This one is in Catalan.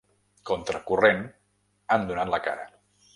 Contra corrent, han donat la cara.